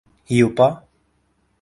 ہیوپا